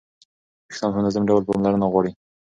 ویښتان په منظم ډول پاملرنه غواړي.